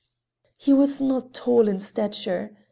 He was not tall in stature.